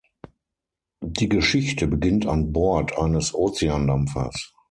Die Geschichte beginnt an Bord eines Ozeandampfers.